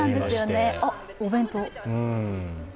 おっ、お弁当。